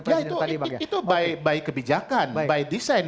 itu by kebijakan by design